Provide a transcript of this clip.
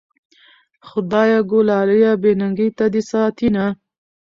خدايږو لالیه بې ننګۍ ته دي ساتينه